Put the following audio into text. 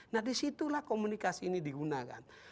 nah di situlah komunikasi ini digunakan